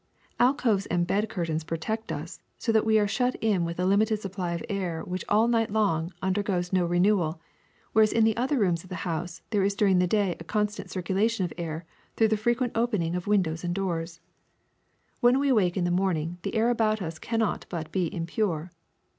Alcoves and bed curtains protect us, so that we are shut in with a limited supply of air which all night long undergoes no renewal, whereas in the other rooms of the house there is during the day a constant circulation of air through the frequent open ing of windows and doors. When we awake in the morning the air about us cannot but be impure.